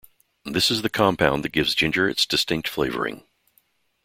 This is the compound that gives ginger its distinct flavoring.